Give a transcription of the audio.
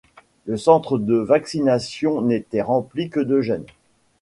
Le centre de vaccination n’était rempli que de jeunes.